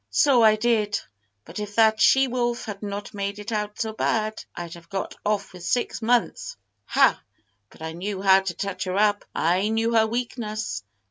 "So I did; but if that she wolf had not made it out so bad, I'd have got off with six months. Ha! but I knew how to touch her up. I knew her weakness!